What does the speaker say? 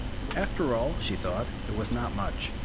After all, she thought, it was not much.